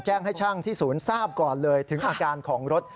แจ้งให้ช่างที่ศูนย์ทราบก่อนเลยถึงอาการของรถ